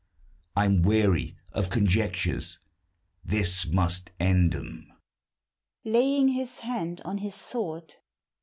I'm weary of conjectures, this must end 'em. _(Laying his hand on his sword.)